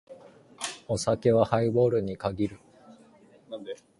お酒はハイボールに限る。